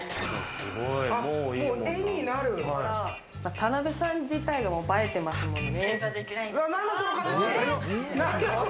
田辺さん自体が映えてますもんね。